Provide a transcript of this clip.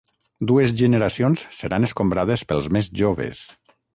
Dues generacions seran escombrades pels més joves.